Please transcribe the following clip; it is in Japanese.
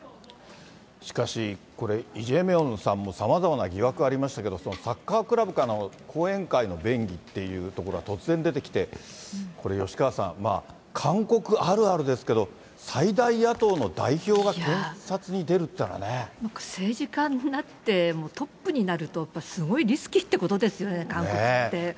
しかしこれ、イ・ジェミョンさんもさまざまな疑惑がありましたけれども、サッカークラブからの後援会の便宜っていうところが突然出てきて、これ、吉川さん、韓国あるあるですけど、最大野党の代表が検察に出るっていうのは政治家になってトップになると、すごいリスキーってことですよね、韓国って。